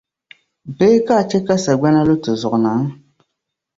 Bee ka a chɛ ka sagbana lu ti zuɣu na?